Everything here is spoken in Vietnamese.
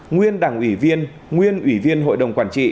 nguyên đảng ủy viên nguyên ủy viên hội đồng quản trị